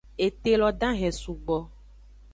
Ete lo dahen sugbo.